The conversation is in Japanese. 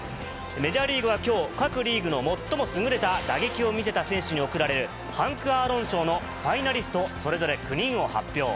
メジャーリーグはきょう、各リーグの最も優れた打撃を見せた選手に贈られる、ハンク・アーロン賞のファイナリストそれぞれ９人を発表。